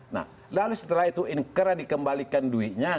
nah lalu setelah itu inkrah dikembalikan duitnya